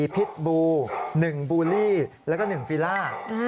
พิษบู๑บูลลี่แล้วก็๑ฟิล่า